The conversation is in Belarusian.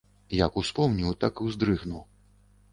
Як успомню, так уздрыгну.